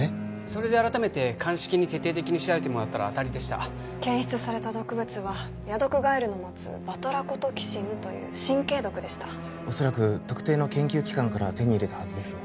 それで改めて鑑識に徹底的に調べてもらったら当たりでした検出された毒物はヤドクガエルの持つバトラコトキシンという神経毒でした恐らく特定の研究機関から手に入れたはずです